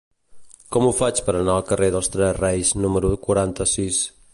Com ho faig per anar al carrer dels Tres Reis número quaranta-sis?